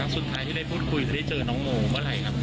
สุดท้ายที่ได้พูดคุยจะได้เจอน้องโมเมื่อไหร่ครับ